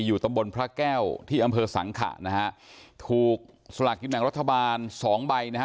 ตำบลพระแก้วที่อำเภอสังขะนะฮะถูกสลากกินแบ่งรัฐบาลสองใบนะฮะ